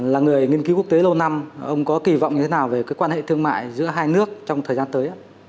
là người nghiên cứu quốc tế lâu năm ông có kỳ vọng như thế nào về quan hệ thương mại giữa hai nước trong thời gian tới